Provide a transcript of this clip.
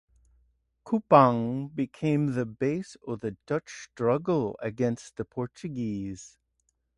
Kupang became the base of the Dutch struggle against the Portuguese.